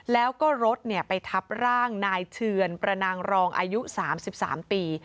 แล้วก็รถไปทับร่างนายเทือนประนางรองอายุ๓๓ปี